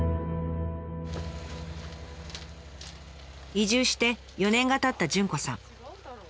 移住して４年がたった潤子さん。